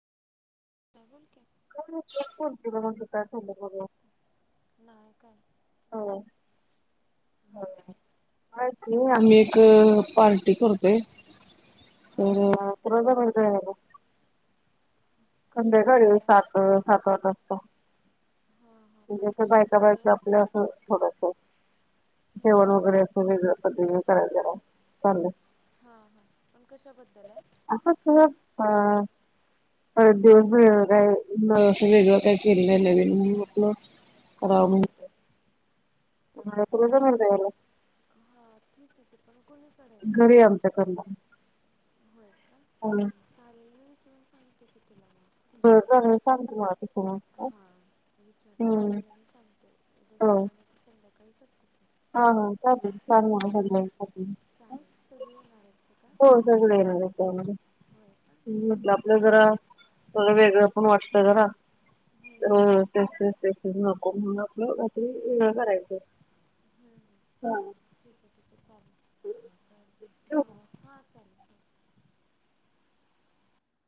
[inaudible] [unintelligible] नाहीय काय हो हां आम्ही एक पार्टी करतोय हां [unintelligible] संध्याकाळी कशाबद्दल आहे सात, सात आठ वाजता हां हां म्हणजे पण अस बायका कशासाठी बायका आहे आपलं असं थोडस हं, जेवण वगैरे असं वेगळं पद्धतीने करायला चालंल हा हा असंच सहज अर दिवस पण काय नसून वेगवा काय [unintelligible] केल्यागल म कराव म्हण [unintelligible] ह तलतवला [unintelligible] [inaudible] येते घरी आमच्या‌ करणार होय का चालेल मी विचरून सांगते की तुला मग बरं चालेल सांग तु मला त स मगं हां विचारते तुला मी सांगते उद्या सकाळ नाहीतर संध्याकाळी करते की [unintelligible] हो सग नाहीणार हां चालेल सगळे येणार आहेत का काय त्यामध्ये होय का हम् म्हट चालते आपलं जरा सगळं वेगळं पण वाटतंय जरा अ तसच तसच नको म्हणून आपल्या रात्री वेगळ करायच हम् ह ठीक आहे ठीक आहे चालेल ठेवू का? हा हा चालेल